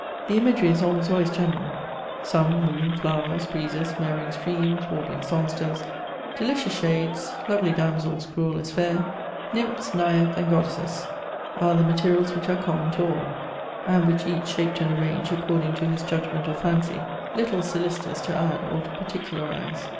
The imagery is almost always general: sun, moon, flowers, breezes, murmuring streams, warbling songsters, delicious shades, lovely damsels cruel as fair, nymphs, naiads, and goddesses, are the materials which are common to all, and which each shaped and arranged according to his judgment or fancy, little solicitous to add or to particularize.